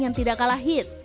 yang tidak kalah hits